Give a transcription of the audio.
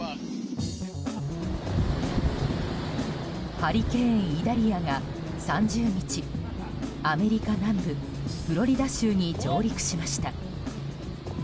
ハリケーン、イダリアが３０日アメリカ南部フロリダ州に上陸しました。